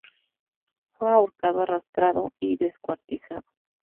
Fue ahorcado, arrastrado y descuartizado.